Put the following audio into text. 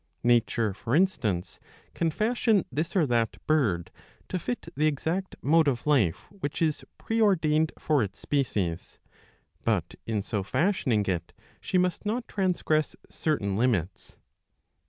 Nature, for instance, can fashion this or that bird to fit the exact mode of life / which is pre ordained for its species ; but in so fashioning it she must I not transgress certain limits.